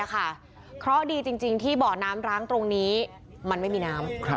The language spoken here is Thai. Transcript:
เพราะดีจริงที่เบาะน้ำร้างตรงนี้มันไม่มีน้ำ